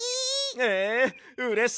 ええうれしいよ！